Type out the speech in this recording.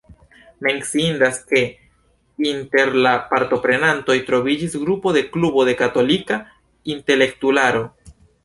Menciindas, ke inter la partoprenantoj troviĝis grupo de Klubo de Katolika Intelektularo.